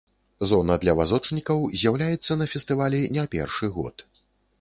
Зона для вазочнікаў з'яўляецца на фестывалі не першы год.